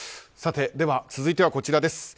では、続いてはこちらです。